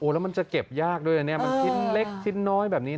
แล้วมันจะเก็บยากด้วยอันนี้มันชิ้นเล็กชิ้นน้อยแบบนี้นะ